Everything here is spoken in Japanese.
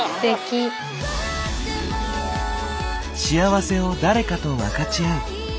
幸せを誰かと分かち合う。